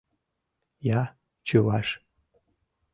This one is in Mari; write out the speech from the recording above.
— Я — чуваш.